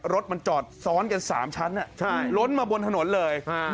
รถมันจอดซ้อนกัน๓ชั้นล้นมาบนถนนเลย